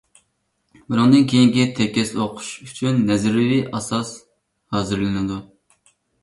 بۇنىڭدىن كېيىنكى تېكىست ئوقۇتۇشى ئۈچۈن نەزەرىيىۋى ئاساس ھازىرلىنىدۇ.